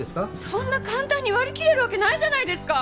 そんな簡単に割り切れるわけないじゃないですか！